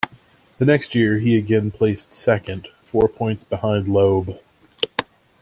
The next year he again placed second, four points behind Loeb.